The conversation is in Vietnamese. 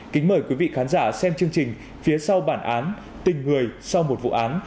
kính mời quý vị khán giả xem chương trình phía sau bản án tình người sau một vụ án